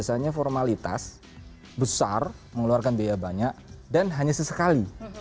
misalnya formalitas besar mengeluarkan biaya banyak dan hanya sesekali